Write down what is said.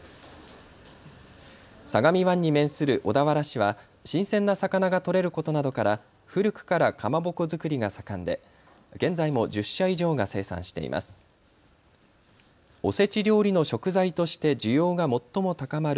相模湾に面する小田原市は新鮮な魚が取れることなどから古くからかまぼこ作りが盛んで現在も１０社以上が生産しています。